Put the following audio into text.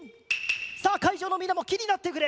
さあかいじょうのみんなもきになってくれ！